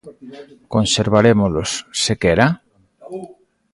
Conservarémolos, sequera?